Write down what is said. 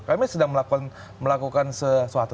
kami sedang melakukan sesuatu